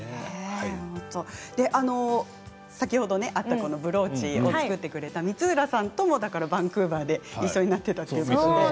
先ほどあったブローチを作ってくれた光浦さんともバンクーバーで一緒になっていたんですね。